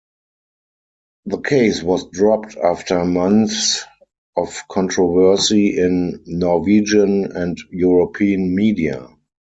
The case was dropped after months of controversy in Norwegian and European media.